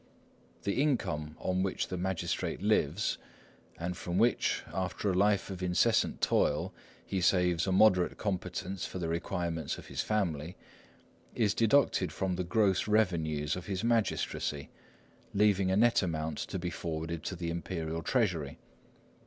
The income on which the magistrate lives, and from which, after a life of incessant toil, he saves a moderate competence for the requirements of his family, is deducted from the gross revenues of his magistracy, leaving a net amount to be forwarded to the Imperial Treasury.